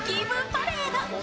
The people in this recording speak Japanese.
パレード。